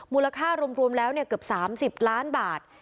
มูลค่ารวมแล้วเกือบ๓๐ล้านบาท